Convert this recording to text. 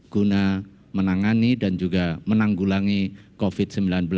guna menangani dan juga menanggulangi covid sembilan belas